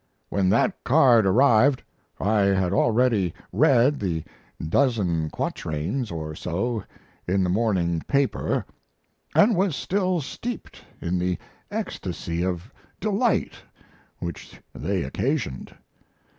When that card arrived I had already read the dozen quatrains or so in the morning paper, and was still steeped in the ecstasy of delight which they occasioned.